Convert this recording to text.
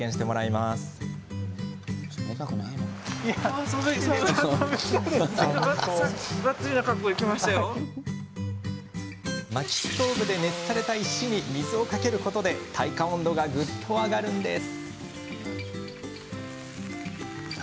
まきストーブで熱された石に水をかけることで体感温度がぐっと上がるんです。